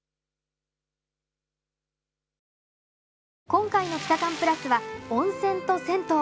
今回の「キタカンプラス」は温泉と銭湯。